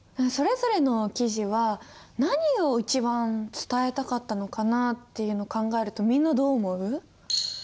それぞれの記事は何を一番伝えたかったのかなっていうのを考えるとみんなどう思う？